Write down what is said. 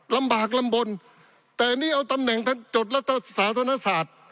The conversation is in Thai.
ลำบากลำบลแต่อันนี้เอาตำแหน่งทางจดลัตรสาธารณสาธารณ์